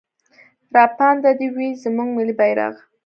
راپانده دې وي زموږ ملي بيرغ.